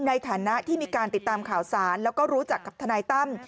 ในฐานะที่มีการติดตามข่าวสารแล้วก็รู้จักกับทนายตั้ม